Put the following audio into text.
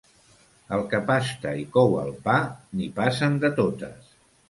Al que pasta i cou el pa, n'hi passen de totes.